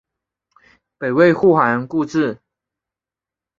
北魏复还故治。